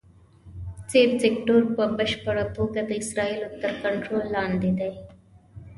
سي سیکټور په بشپړه توګه د اسرائیلو تر کنټرول لاندې دی.